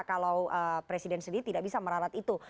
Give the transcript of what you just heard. kalau presiden sendiri tidak bisa meralat itu